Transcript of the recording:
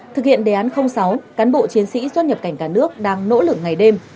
thực hiện đề án sáu cán bộ chiến sĩ xuất nhập cảnh cả nước đang nỗ lực ngày đêm